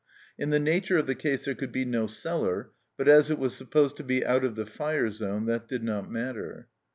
In the nature of the case there could be no cellar, but as it was supposed to be out of the fire zone that did not matter.